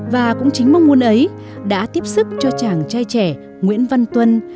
và cũng chính mong muốn ấy đã tiếp sức cho chàng trai trẻ nguyễn văn tuân